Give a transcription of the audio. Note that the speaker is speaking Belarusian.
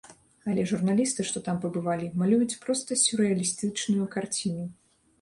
Але журналісты, што там пабывалі, малююць проста сюррэалістычную карціну.